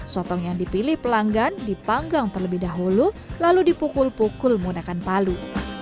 sotong yang dipilih pelanggan dipanggang terlebih dahulu lalu dipukul pukul menggunakan palu